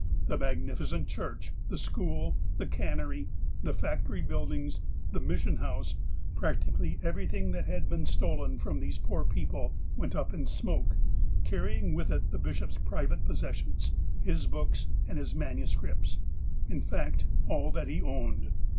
The maguifi, cent church, the school, the cannery, the factory buildings, the mission house, practically everything that had been stolen from these poor people, went up in smoke, carrying with it the bishop's private possessions, his books, and his manu scripts — in fact, all that he owned.